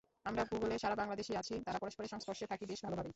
আমরা গুগলে যারা বাংলাদেশি আছি, তারা পরস্পরের সংস্পর্শে থাকি বেশ ভালোভাবেই।